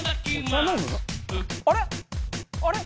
あれ？